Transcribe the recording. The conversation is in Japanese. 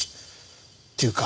っていうか。